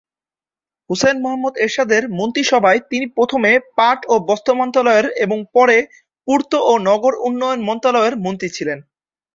হুসেইন মোহাম্মদ এরশাদের মন্ত্রিসভায় তিনি প্রথমে পাট ও বস্ত্র মন্ত্রণালয়ের এবং পরে পূর্ত ও নগর উন্নয়ন মন্ত্রণালয়ের মন্ত্রী ছিলেন।